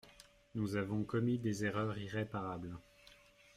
Nous avons commis des erreurs irréparables.